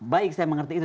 baik saya mengerti itu